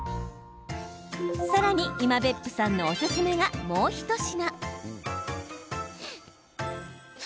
さらに今別府さんのおすすめがもう１品。